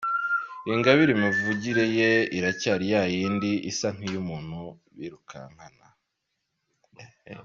Ingabire imivugire ye iracyari ya yindi isa nk’iy’umuntu birukankana.